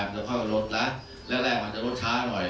มันจะเข้ากับรถนะแรกมันจะรถช้าหน่อย